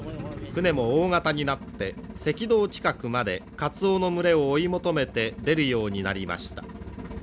船も大型になって赤道近くまでかつおの群れを追い求めて出るようになりました。